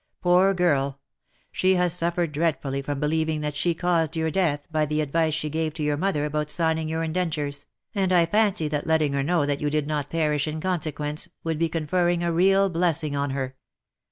Poor girl ! She has suffered dreadfully from believing that she caused your death by the advice she gave to your mother about signing your indentures, and I fancy that letting her know that you did not perish in consequence, would be conferring a real blessing on her."